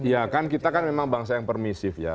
ya kan kita kan memang bangsa yang permisif ya